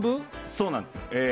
そうなんですよ。